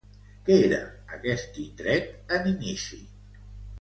Què era aquest indret en inici?